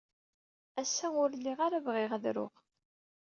Ass-a, ur lliɣ ara bɣiɣ ad ruɣ.